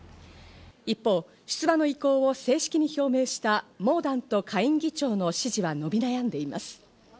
一方、出馬の意向を正式に表明したモーダント下院議長の支持は伸び悩んでいます。